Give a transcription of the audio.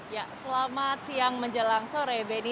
ya selamat siang menjelang sore benny